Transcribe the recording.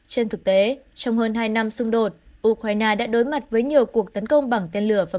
trên thực tế trong hơn hai năm xung đột ukraine đã đối mặt với nhiều cuộc tấn công bằng tên lửa vào